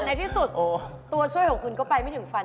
ในที่สุดตัวช่วยของคุณก็ไปไม่ถึงฟัน